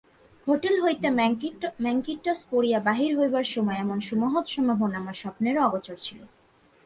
Hotel হইতে mackintosh পরিয়া বাহির হইবার সময় এমন সুমহৎ সম্ভাবনা আমার স্বপ্নেরও অগোচর ছিল।